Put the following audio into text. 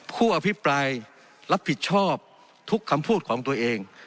ผู้อภิปรายรับผิดชอบทุกคำพูดของตัวเอง